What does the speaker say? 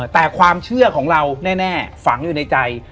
แต่ความเชื่อของเราแน่ฝังอยู่ในใจ